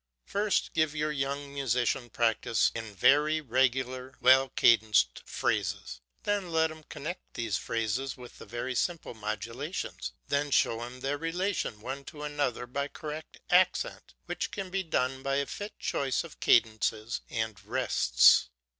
First give your young musician practice in very regular, well cadenced phrases; then let him connect these phrases with the very simplest modulations; then show him their relation one to another by correct accent, which can be done by a fit choice of cadences and rests.